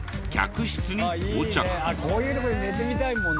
こういうとこで寝てみたいもんな。